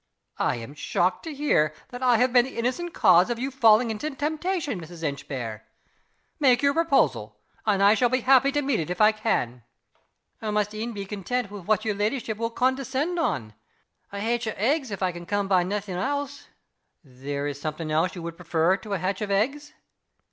"I am shocked to hear that I have been the innocent cause of your falling into temptation, Mrs. Inchbare! Make your proposal and I shall be happy to meet it, if I can." "I must e'en be content wi' what yer leddyship will condescend on. A haitch o' eggs if I can come by naething else." "There is something else you would prefer to a hatch of eggs?"